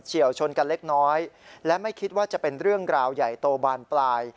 วชนกันเล็กน้อยและไม่คิดว่าจะเป็นเรื่องราวใหญ่โตบานปลาย